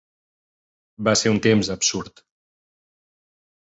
Va ser un temps absurd.